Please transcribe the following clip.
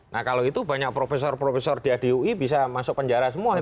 nah kalau itu banyak profesor profesor di hdiui bisa masuk penjara semua itu